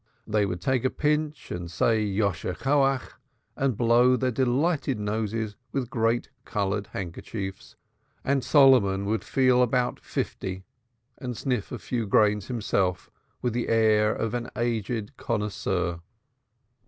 They would take a pinch and say, "May thy strength increase," and blow their delighted noses with great colored handkerchiefs, and Solomon would feel about fifty and sniff a few grains himself with the air of an aged connoisseur.